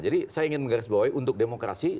jadi saya ingin menggarisbawahi untuk demokrasi